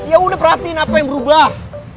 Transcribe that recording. ya udah perhatiin apa yang berubah